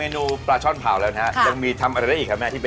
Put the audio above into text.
อันนี้เสร็จแล้วอยู่ตรงนี้นะคะเหรียะ